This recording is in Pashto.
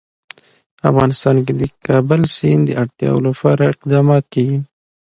افغانستان کې د کابل سیند د اړتیاوو لپاره اقدامات کېږي.